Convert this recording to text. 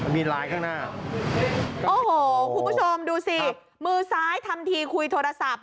มีลายข้างหน้าโอ้โหคุณผู้ชมดูสิมือซ้ายทำทีคุยโทรศัพท์